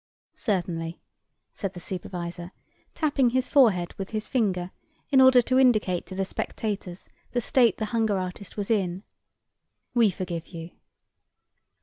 "Certainly," said the supervisor, tapping his forehead with his finger in order to indicate to the spectators the state the hunger artist was in, "we forgive you."